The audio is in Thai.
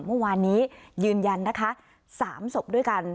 เมื่อวานนี้ยืนยันนะคะ๓ศพด้วยกัน